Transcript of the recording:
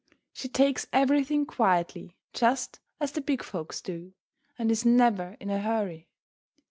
She takes everything quietly, just as the big folks do, and is never in a hurry.